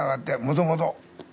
もともと。